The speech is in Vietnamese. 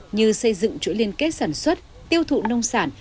như xây dựng chuỗi liên kết sản xuất tiêu thụ nông sản